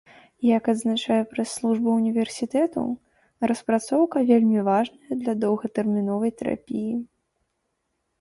Як адзначае прэс-служба ўніверсітэту, распрацоўка вельмі важная для доўгатэрміновай тэрапіі.